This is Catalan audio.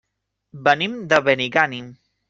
Venim de Benigànim.